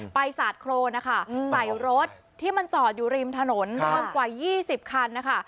สาดโครนนะคะใส่รถที่มันจอดอยู่ริมถนนรวมกว่า๒๐คันนะคะ